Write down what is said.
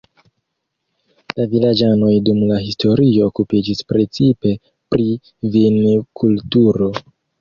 La vilaĝanoj dum la historio okupiĝis precipe pri vinkulturo.